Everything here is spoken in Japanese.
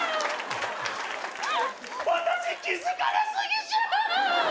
私気付かな過ぎじゃん！